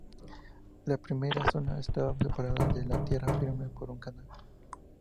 La primera zona estaba separada de tierra firme por un canal.